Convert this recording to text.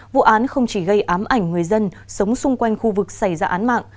vụ án không chỉ gây ám ảnh người dân sống xung quanh khu vực xảy ra án mạng